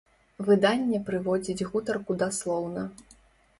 Выданне прыводзіць гутарку даслоўна.